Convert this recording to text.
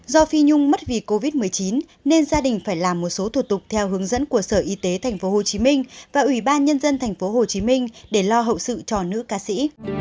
do phi nhung mất vì covid một mươi chín nên gia đình phải làm một số thủ tục theo hướng dẫn của sở y tế tp hcm và ủy ban nhân dân tp hcm để lo hậu sự cho nữ ca sĩ